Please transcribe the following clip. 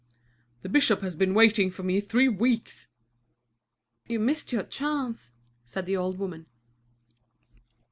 "The bishop has been waiting for me three weeks!" "You've missed your chance," said the old woman.